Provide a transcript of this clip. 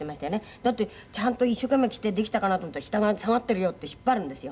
「だってちゃんと一生懸命着てできたかなと思ったら“下が下がってるよ”って引っ張るんですよ」